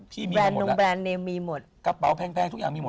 กระเป๋าแพงทุกอย่างมีหมด